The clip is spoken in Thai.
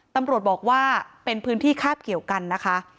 ตำรวจบอกว่าเป็นพื้นที่คาบเกี่ยวกันนะคะ